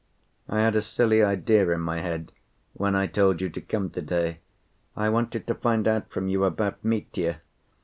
I had a silly idea in my head when I told you to come to‐day; I wanted to find out from you about Mitya.